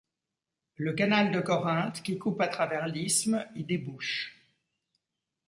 Le canal de Corinthe qui coupe à travers l'isthme y débouche.